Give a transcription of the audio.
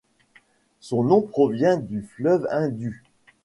Son nom provient du fleuve Indus.